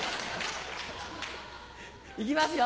いきますよ